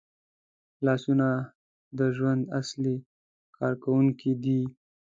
لاسونه د ژوند اصلي کارکوونکي دي